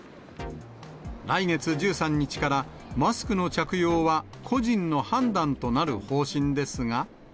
来月１３日からマスクの着用は個人の判断となる方針ですが。